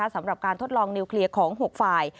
สำหรับการทดลองนิวเคลียร์ของ๖ฝ่าย